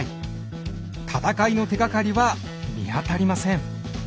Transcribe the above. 戦いの手がかりは見当たりません。